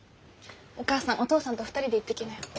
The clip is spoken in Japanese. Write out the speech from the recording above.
お母さんお父さんと２人で行ってきなよ。